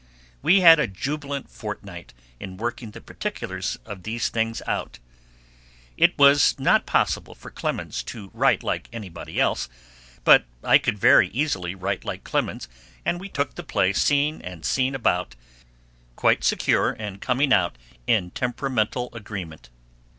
We had a jubilant fortnight in working the particulars of these things out. It was not possible for Clemens to write like anybody else, but I could very easily write like Clemens, and we took the play scene and scene about, quite secure of coming out in temperamental agreement.